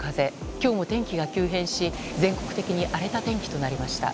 今日も天気が急変し全国的に荒れた天気となりました。